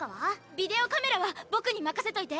ビデオカメラはボクに任せといて！